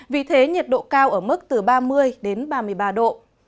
vì thế nhiệt độ cao ở mức từ ba mươi đến ba mươi ba độ